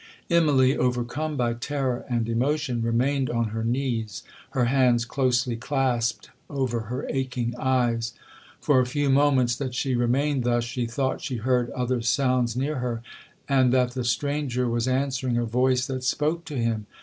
Immalee, overcome by terror and emotion, remained on her knees, her hands closely clasped over her aching eyes. 'For a few moments that she remained thus, she thought she heard other sounds near her, and that the stranger was answering a voice that spoke to him.